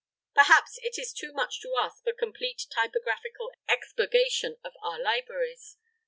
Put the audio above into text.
Perhaps it is too much to ask for complete typographical expurgation of our libraries.